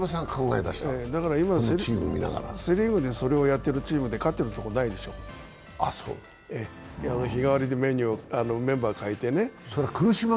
だから今、セ・リーグでそれをやっているチームで勝っているところはないでしょ、日替わりでメンバー代えてね。